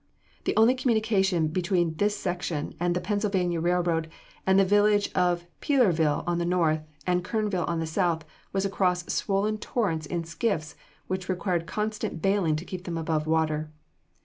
The only communication between this section and the Pennsylvania Railroad and the village of Peelerville on the north, and Kernville on the south, was across swollen torrents in skiffs, which required constant bailing to keep them above water.